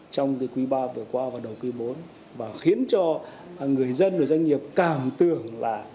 trong cái quý ba vừa qua và đầu quý bốn và khiến cho người dân và doanh nghiệp cảm tưởng là